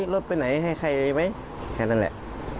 รถไปไหนให้ใครไหมแค่นั้นแหละ